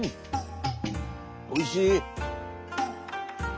おいしい！